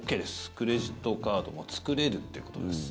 クレジットカードも作れるということです。